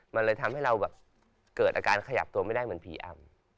มันเลยทำให้เราแบบเกิดอาการขยับตัวไม่ได้เหมือนผีอำ